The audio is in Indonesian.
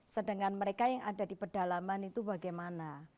sedangkan mereka yang ada di pedalaman itu bagaimana